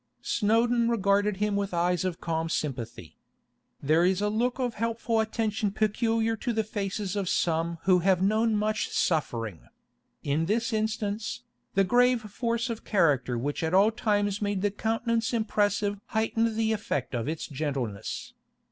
Snowdon regarded him with eyes of calm sympathy. There is a look of helpful attention peculiar to the faces of some who have known much suffering; in this instance, the grave force of character which at all times made the countenance impressive heightened the effect of its gentleness.